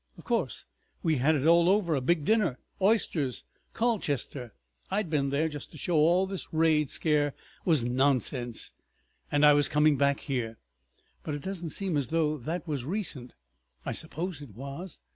Of course! We had it all over—a big dinner—oysters!—Colchester. I'd been there, just to show all this raid scare was nonsense. And I was coming back here. ... But it doesn't seem as though that was—recent. I suppose it was.